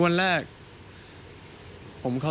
สวัสดีครับ